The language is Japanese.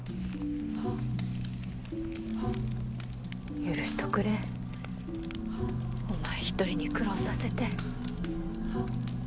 許しておくれお前一人に苦労させて。